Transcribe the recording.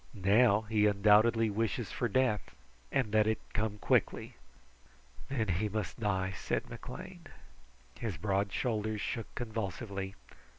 Now he undoubtedly wishes for death, and that it come quickly." "Then he must die," said McLean. His broad shoulders shook convulsively.